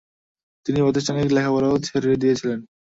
তিনি প্রাতিষ্ঠানিক লেখাপড়াও ছেড়ে দিয়েছিলেন।